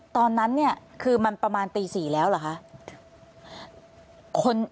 ตอนนั้นเนี่ยคือมันประมาณตี๔แล้วเหรอคะ